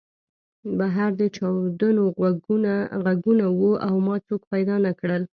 بهر د چاودنو غږونه وو او ما څوک پیدا نه کړل